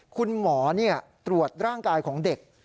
คุณหมอตรวจร่างกายของเด็ก